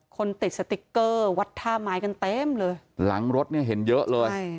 คนติดสติ๊กเกอร์วัดท่าไม้กันเต็มเลยหลังรถเนี่ยเห็นเยอะเลยใช่